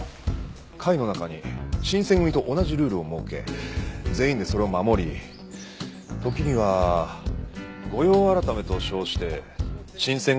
会の中に新選組と同じルールを設け全員でそれを守り時には御用改めと称して新選組ゆかりの地を回ったり。